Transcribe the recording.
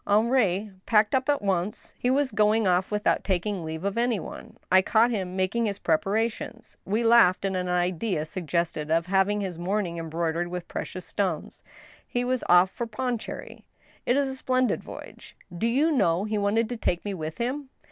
Henri packed up at once ; he was going off vdthout taking leave of any one. I caught him making his prepara tions. ... We laughed at an idea suggested of having his mourn ing embroidered with precious stones. He is off for Pondicherry. ... It is a splendid voyage. Do you know he wanted to take me with him